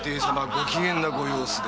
ご機嫌なご様子で。